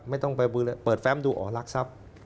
ไม่ต้องไปบื้อเปิดแฟรมดูอ๋อลักศัพท์